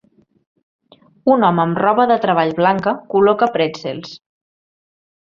Un home amb roba de treball blanca col·loca pretzels.